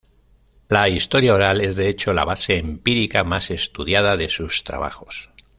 La historia oral es de hecho la base empírica más estudiada de sus trabajos.